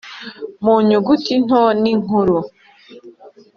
mu nyuguti nto n’inkuru;